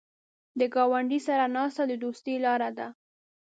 د ګاونډي سره ناسته د دوستۍ لاره ده